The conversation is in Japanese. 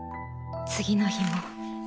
次の日も。